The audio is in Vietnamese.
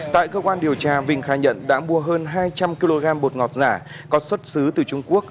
tại cơ quan điều tra vinh khai nhận đã mua hơn hai trăm linh kg bột ngọt giả có xuất xứ từ trung quốc